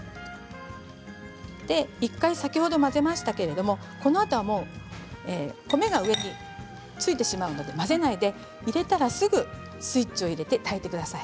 １回、先ほど混ぜましたけれどこのあと米が上についてしまうので混ぜないで入れたらすぐスイッチを入れて炊いてください。